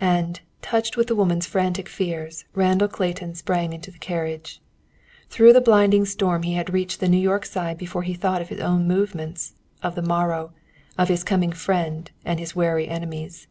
And, touched with the woman's frantic fears, Randall Clayton sprang into the carriage. Through the blinding storm he had reached the New York side before he thought of his own movements, of the morrow, of his coming friend, and of his wary enemies.